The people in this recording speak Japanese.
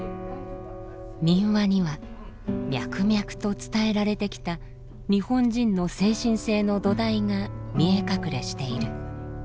民話には脈々と伝えられてきた日本人の精神性の土台が見え隠れしている。